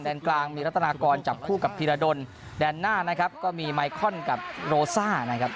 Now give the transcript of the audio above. นกลางมีรัฐนากรจับคู่กับธีรดลแดนหน้านะครับก็มีไมคอนกับโรซ่านะครับ